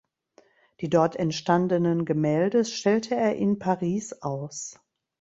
Die dort entstandenen Gemälde stellte er in Paris aus.